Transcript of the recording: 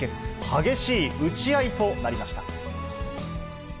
激しい打ち合いとなりました。